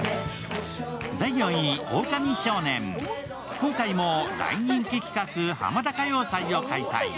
今回も大人気企画、「ハマダ歌謡祭」を開催。